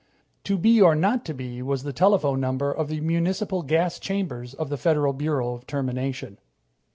"To be or not to be" was the telephone number of the municipal gas chambers of the Federal Bureau of Termination.